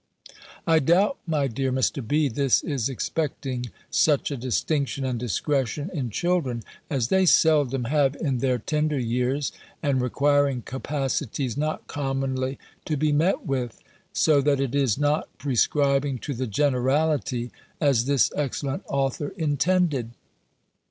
I doubt, my dear Mr. B., this is expecting such a distinction and discretion in children, as they seldom have in their tender years, and requiring capacities not commonly to be met with; so that it is not prescribing to the generality, as this excellent author intended.